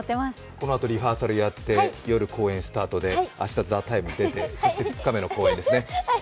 このあとリハーサルやって夜、公演スタートで明日「ＴＨＥＴＩＭＥ，」に出て、そして２日目の公演ですね。